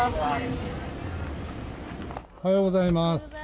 おはようございます。